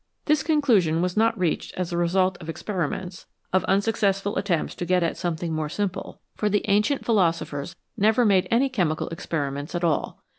This conclusion was not reached as the result of experi ments, of unsuccessful attempts to get at something more simple ; for the ancient philosophers never made any chemical experiments at all.